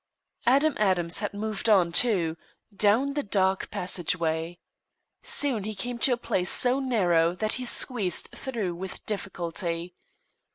Adam Adams had moved on, too down the dark passageway. Soon he came to a place so narrow that he squeezed through with difficulty.